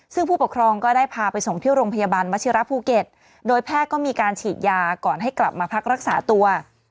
ซึ่งผู้ปกครองก็ได้พาไปส่งที่โรงพยาบาลวชิระภูเก็ตโดยแพทย์ก็มีการฉีดยาก่อนให้กลับมาพักรักษาตัว